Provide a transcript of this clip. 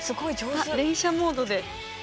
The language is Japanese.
連写モードで。